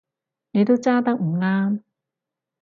你都揸得唔啱